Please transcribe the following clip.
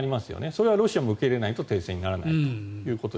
それはロシアも受け入れないと停戦にならないと。